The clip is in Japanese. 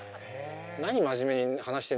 何真面目に話してるんだよ